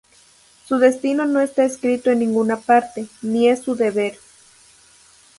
Su destino no está escrito en ninguna parte, ni es su deber.